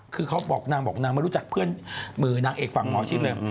คือเขาบอกนางบอกนางไม่รู้จักเพื่อนมือนางเอกฝั่งหมอชิดเลย